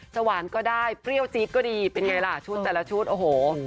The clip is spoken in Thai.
หวานก็ได้เปรี้ยวจี๊ดก็ดีเป็นไงล่ะชุดแต่ละชุดโอ้โห